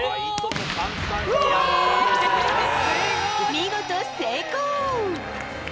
見事、成功。